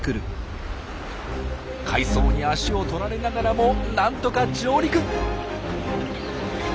海藻に足をとられながらもなんとか上陸。